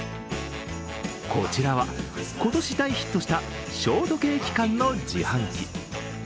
こちらは今年大ヒットしたショートケーキ缶の自販機。